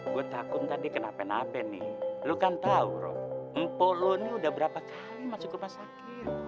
gue takut tadi kena pen apen nih lo kan tahu rob empoh lo ini udah berapa kali masuk rumah sakit